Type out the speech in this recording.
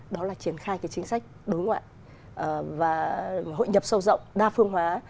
đó là triển khai chính sách đối ngoại và hội nhập sâu rộng đa phương hóa